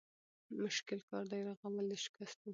مشکل کار دی رغول د شکستو